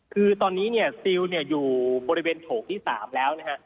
คือตอนนี้เนี่ยซิลอยู่บริเวณโฉกที่๓แล้วนะฮะ